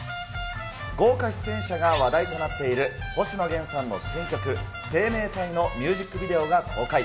豪華出演者が話題となっている星野源さんの新曲、生命体のミュージックビデオが公開。